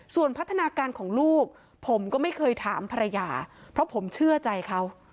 ส่วนพัฒนาการของลูกผมก็ไม่เคยถามภรรยาเพราะผมเชื่อใจเขา